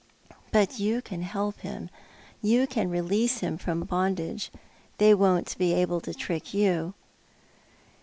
But you can help him. You can release him from bondage. They won't be able to trick you."